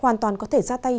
hoàn toàn có thể ra tay